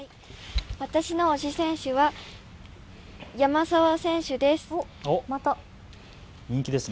私の推し選手は山沢選手です。